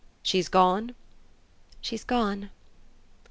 "She's gone?" "She's gone."